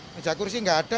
meja kursi enggak ada